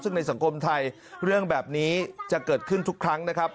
ซึ่งในสังคมไทยเรื่องแบบนี้จะเกิดขึ้นทุกครั้งนะครับ